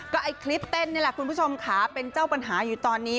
ก็คลิปเต้นเนี่ยคุณผู้ชมค่ะเป็นเจ้ากันหาอยู่ตอนนี้